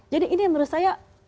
jadi ini menurut saya